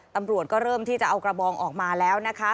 ตำรวจก็เริ่มที่จะเอากระบองออกมาแล้วนะคะ